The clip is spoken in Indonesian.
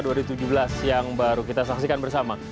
hari tujuh belas yang baru kita saksikan bersama